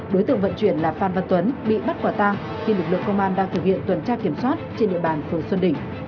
đối tượng vận chuyển là phan văn tuấn bị bắt quả tang khi lực lượng công an đang thực hiện tuần tra kiểm soát trên địa bàn phường xuân đỉnh